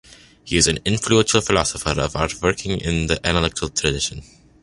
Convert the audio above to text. He is an influential philosopher of art working in the analytical tradition.